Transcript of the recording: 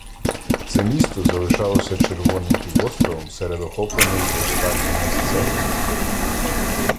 Це місто залишалося червоним півостровом серед охопленої повстанням місцевості.